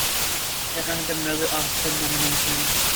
It earned him another Oscar nomination.